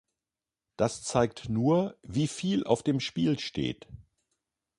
Das zeigt nur, wie viel auf dem Spiel steht.